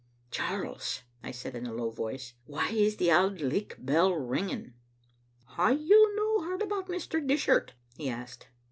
" "Charles," I said in a low voice, "why is the Auld Licht bell ringing?" " Hae you no heard about Mr. Dishart?" he asked.